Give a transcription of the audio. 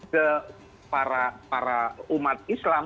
ke para umat islam